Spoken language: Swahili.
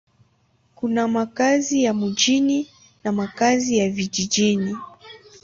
Kuna makazi ya mjini na makazi ya vijijini.